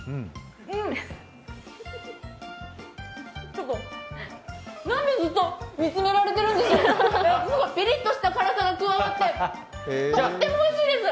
ちょっと、なんでずっと見つめられているんでしょういや、すごい、ピリッとした辛さが加わってとてもおいしいです。